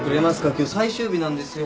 今日最終日なんですよ。